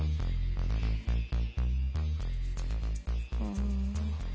うん。